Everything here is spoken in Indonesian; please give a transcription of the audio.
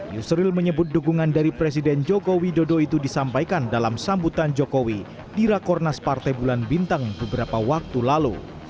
yusril menyebut dukungan dari presiden joko widodo itu disampaikan dalam sambutan jokowi di rakornas partai bulan bintang beberapa waktu lalu